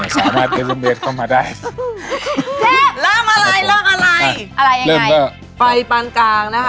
ไปปางกลางนะคะ